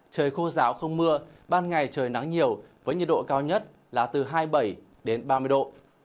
trời khô ráo không mưa ban ngày trời nắng nhiều với nhiệt độ cao nhất là từ hai mươi bảy đến ba mươi độ